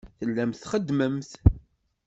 Tellamt txeddmemt.